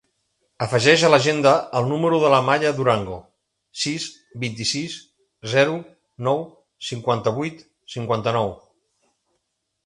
Afegeix a l'agenda el número de la Maia Durango: sis, vint-i-sis, zero, nou, cinquanta-vuit, cinquanta-nou.